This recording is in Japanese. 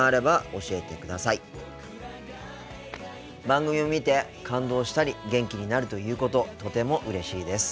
番組を見て感動したり元気になるということとてもうれしいです。